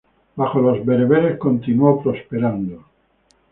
Bajo los bereberes continuó prosperando.